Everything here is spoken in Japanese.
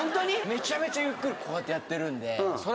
めちゃめちゃゆっくりこうやってやってるんで。